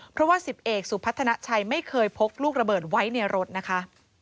เพราะว่า๑๐เอกสุพัฒนาชัยไม่เคยพกลูกระเบิดไว้ในรถนะคะ